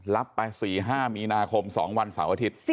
รับไป๔๕มีนาคม๒วันเสาร์อาทิตย์